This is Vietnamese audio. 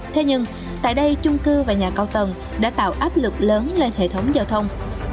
thế nhưng tại đây chung cư và nhà cao tầng đã tạo áp lực lớn lên hệ thống giao thông